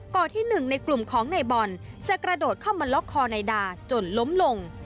ที่หนึ่งในกลุ่มของนายบอลจะกระโดดเข้ามาล็อกคอนายดาจนล้มลง